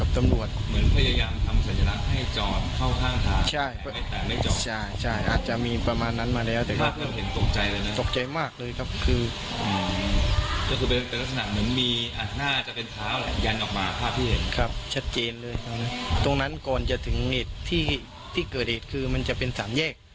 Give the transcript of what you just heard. ตรงนั้นก่อนจะถึงเหตุที่เกิดเหตุคือมันจะเป็นสามแยก